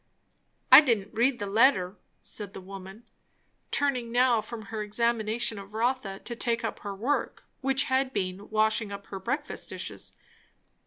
"I didn't read the letter," said the woman, turning now from her examination of Rotha to take up her work, which had been washing up her breakfast dishes.